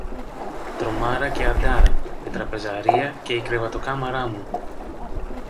Τρομάρα και Αντάρα, η τραπεζαρία και η κρεβατοκάμαρα μου.